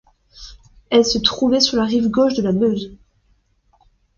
Elle se trouvait sur la rive gauche de la Meuse.